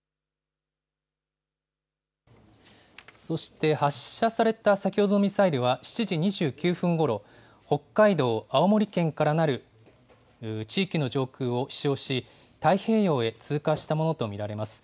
そして、発射された先ほどのミサイルは、７時２９分ごろ、北海道、青森県からなる地域の上空を飛しょうし、太平洋へ通過したものと見られます。